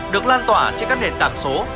được lan tỏa trên các nền tảng số